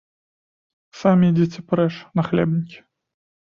Самі ідзіце прэч, нахлебнікі!